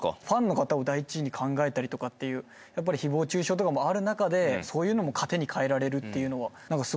ファンの方を第一に考えたりとかっていう誹謗中傷とかもある中でそういうのも糧にかえられるっていうのは。